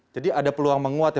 jadi ada peluang menguat ya